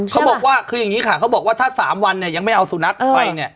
เขาบอกว่าคืออย่างนี้ค่ะเขาบอกว่าถ้า๓วันเนี่ยยังไม่เอาสุนัขไปเนี่ย